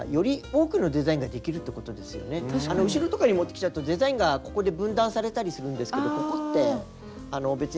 後ろとかにもってきちゃうとデザインがここで分断されたりするんですけどここって別にデザインが。